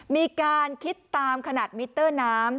มีการคิดตามขนาดมิเตอร์น้ำ